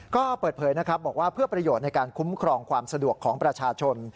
ก็เปิดเผยนะครับบอกว่าเพื่อประโยชน์ในการคุ้มครองความสะดวกของประชาชน